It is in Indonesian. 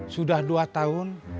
sudah dua tahun